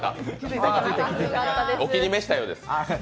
お気に召したようです。